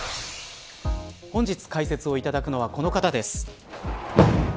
本日解説をいただくのはこの方です。